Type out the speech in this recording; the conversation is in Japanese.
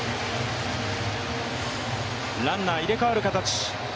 ランナー入れ替わる形。